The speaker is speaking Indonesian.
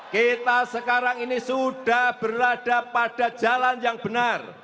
kita sekarang ini sudah berada pada jalan yang benar